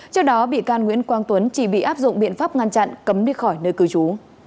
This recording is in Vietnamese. trước đó bị can nguyễn quang tuấn chỉ bị áp dụng biện pháp ngăn chặn cấm đi khỏi nơi cư trú